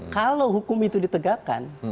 kalau hukum itu ditegakkan